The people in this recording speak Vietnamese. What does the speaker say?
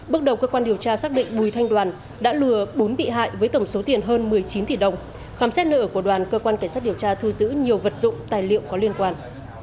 bước đầu cơ quan điều tra xác định bùi thanh đoàn đã lừa bốn bị hại với tổng số tiền hơn một mươi chín tỷ đồng khám xét nợ của đoàn cơ quan cảnh sát điều tra thu giữ nhiều vật dụng tài liệu có liên quan